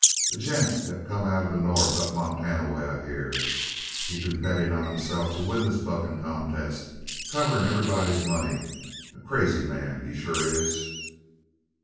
"A gent that come out of the north, up Montana way, I hear. He's been betting on himself to win this bucking contest, covering everybody's money. A crazy man, he sure is!"